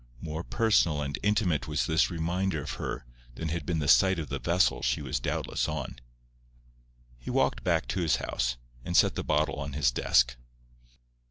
More personal and intimate was this reminder of her than had been the sight of the vessel she was doubtless on. He walked back to his house, and set the bottle on his desk.